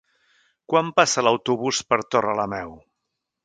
Quan passa l'autobús per Torrelameu?